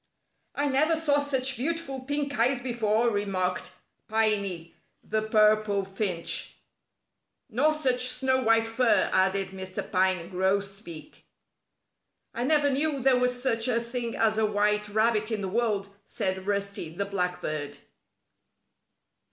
"I never saw such beautiful pink eyes before," remarked Piney the Purple Finch. "Nor such snow white fur," added Mr. Pine Grosbeak. "I never knew there was such a thing as a white rabbit in the world," said Rusty the Blackbird.